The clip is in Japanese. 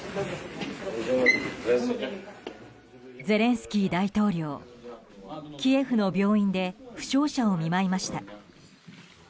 ゼレンスキー大統領キエフの病院で負傷者を見舞いました。